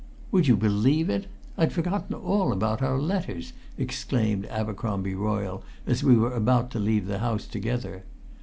"Would you believe it? I'd forgotten all about our letters!" exclaimed Abercromby Royle as we were about to leave the house together.